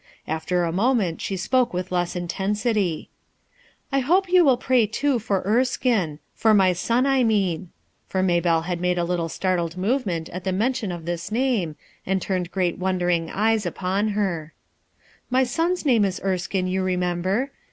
After a moment she spoke with less intensity. " I hope you will pray, too, for Erskine. For 310 RUTH ERSKDJE'S SON my son, I mean." For Maybelle had made a little startled movement at the mention of this name, and turned great wondering eyes upon her "My son's name is Erskine, you remember.